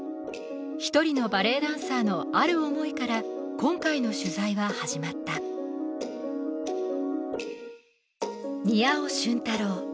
一人のバレエダンサーのある思いから今回の取材は始まった宮尾俊太郎